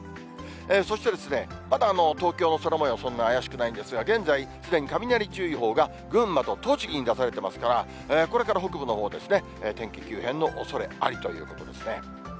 そして、まだ東京の空もよう、そんな怪しくないんですが、現在、すでに雷注意報が、群馬と栃木に出されてますから、これから北部のほう、天気急変のおそれありということですね。